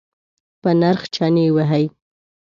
په نرخ چنی وهئ؟